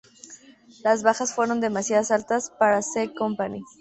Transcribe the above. Las bajas fueron demasiado altas para C Company.